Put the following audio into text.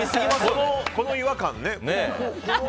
この違和感ね。